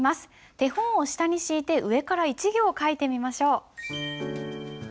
手本を下に敷いて上から１行書いてみましょう。